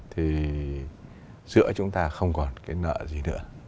thì giữa chúng ta không còn cái nợ gì nữa